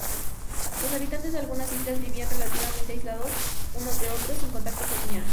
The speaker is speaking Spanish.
Los habitantes de algunas islas vivían relativamente aislados unos de otros, sin contacto cotidiano.